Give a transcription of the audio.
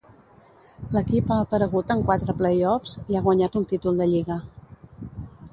L'equip ha aparegut en quatre "play-offs" i ha guanyat un títol de lliga.